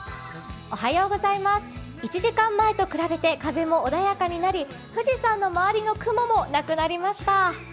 １時間前と比べて風も穏やかになり富士山の周りの雲もなくなりました。